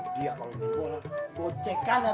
dia kalau main bola gocek kan tuh